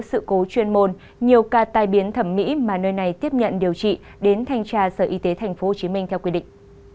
sự cố chuyên môn nhiều ca tai biến thẩm mỹ mà nơi này tiếp nhận điều trị đến thanh tra sở y tế tp hcm theo quy định